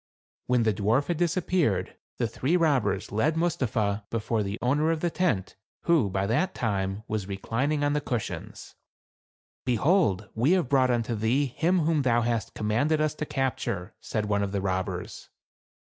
When the dwarf had disappeared, the three robbers led Mustapha before the owner of the tent, who, by that time, was reclining on the cushions. " Behold, we have brought unto thee him whom thou hast commanded us to capture," said one of the robbers.